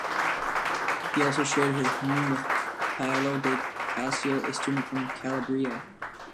He also shared his home with Paolo di Ciacio, a student from Calabria.